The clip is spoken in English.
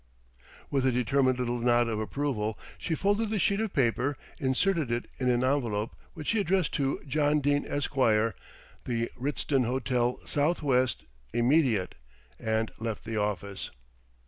With a determined little nod of approval, she folded the sheet of paper, inserted it in an envelope, which she addressed to "John Dene, Esq., The Ritzton Hotel, S.W. Immediate," and left the office.